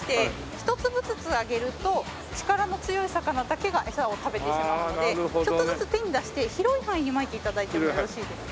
ひと粒ずつあげると力の強い魚だけが餌を食べてしまうのでちょっとずつ手に出して広い範囲にまいて頂いてもよろしいですか？